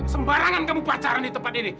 sembarangan kamu pacaran di tempat ini